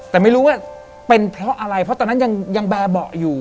แต่ไม่รู้ว่าเป็นเพราะอะไรเพราะตอนนั้นยังแบบเบาะอยู่